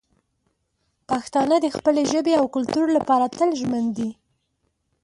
پښتانه د خپلې ژبې او کلتور لپاره تل ژمن دي.